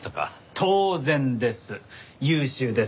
当然です。